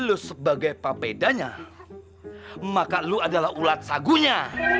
lu sebagai papedanya maka lo adalah ulat sagunya